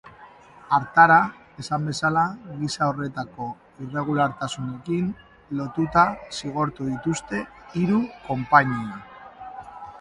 Hartara, esan bezala, gisa horretako irregulartasunekin lotuta zigortu dituzte hiru konpainia.